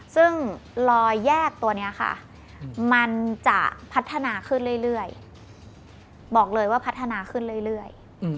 ซึ่งลอยแยกตัวนี้ค่ะมันจะพัฒนาขึ้นเรื่อยบอกเลยว่าพัฒนาขึ้นเรื่อย